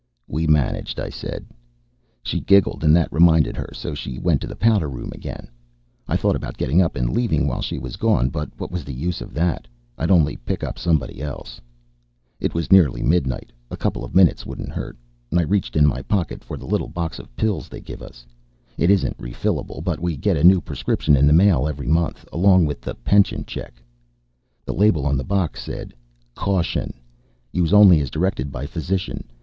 "We managed," I said. She giggled, and that reminded her, so she went to the powder room again. I thought about getting up and leaving while she was gone, but what was the use of that? I'd only pick up somebody else. It was nearly midnight. A couple of minutes wouldn't hurt. I reached in my pocket for the little box of pills they give us it isn't refillable, but we get a new prescription in the mail every month, along with the pension check. The label on the box said: CAUTION _Use only as directed by physician.